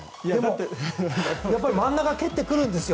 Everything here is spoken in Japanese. やっぱり真ん中に蹴ってくるんですよ。